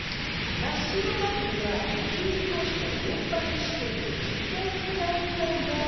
まっ白パズルは宇宙飛行士の選抜試験で実際に使われたんだ。